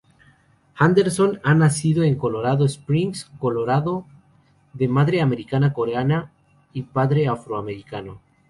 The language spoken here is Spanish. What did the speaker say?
Henderson nació en Colorado Springs, Colorado, de madre americana-coreana y padre afroamericano.